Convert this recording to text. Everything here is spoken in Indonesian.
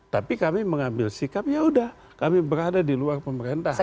tapi kami mengambil sikap ya udah kami berada di luar pemerintah